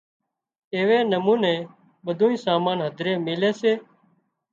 ايوي نموني ٻڌونئين سامان هڌري ميلي سي